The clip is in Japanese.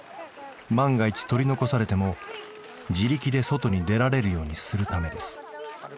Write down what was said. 万が一取り残されても自力で外に出られるようにするためです。